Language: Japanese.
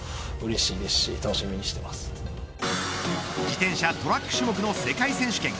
自転車トラック種目の世界選手権。